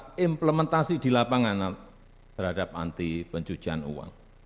ini adalah implementasi di lapangan berhadap anti pencucian uang